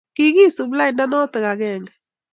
Kigisup lainda noto agenge